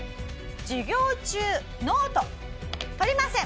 授業中ノート取りません。